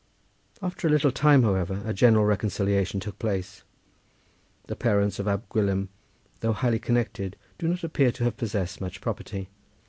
After a little time, however, a general reconciliation took place. The parents of Ab Gwilym, though highly connected, do not appear to have possessed much property.